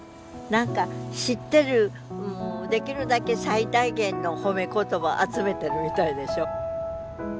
何か知ってるできるだけ最大限の褒め言葉集めてるみたいでしょ。